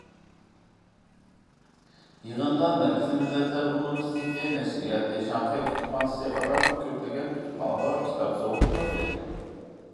يىغىندا مەركىزىي مىللەتلەر ئۇنىۋېرسىتېتى نەشرىياتى شاڭخەي كۇتۇپخانىسى قاتارلىق كۆپلىگەن كۇتۇپخانىغا كىتاب سوۋغا قىلدى.